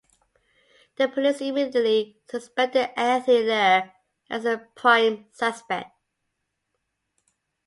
The police immediately suspected Anthony Ler as their prime suspect.